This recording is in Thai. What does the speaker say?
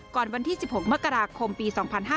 วันที่๑๖มกราคมปี๒๕๕๙